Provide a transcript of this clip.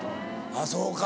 あっそうか。